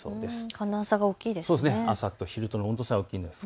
寒暖差が大きいですね。